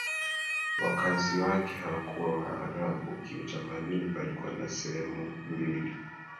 wakazi wake hawakuwa Waarabu Kiutamaduni palikuwa na sehemu mbili